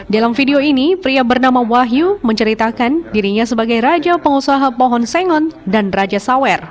dalam video ini pria bernama wahyu menceritakan dirinya sebagai raja pengusaha pohon sengon dan raja sawer